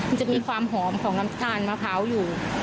มันจะมีความหอมของน้ำตาลมะพร้าวอยู่